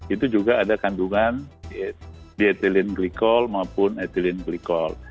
itu juga ada kandungan diethylenglycol maupun ethylenglycol